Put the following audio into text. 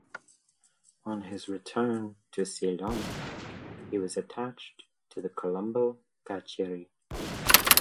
On his return to Ceylon he was attached to the Colombo Kachcheri.